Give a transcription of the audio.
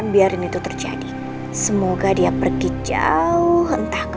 baru aku pulang